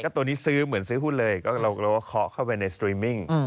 ตัวนี้ซื้อเหมือนซื้อหุ้นเลยเราก็เคาะเข้าไปในสตรีมมิ่ง